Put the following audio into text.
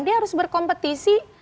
dia harus berkompetisi